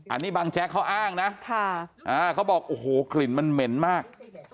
อันนี้บางแจ๊กเขาอ้างนะเขาบอกโอ้โหกลิ่นมันเหม็นมาก